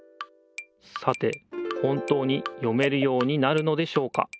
さて本当に読めるようになるのでしょうか？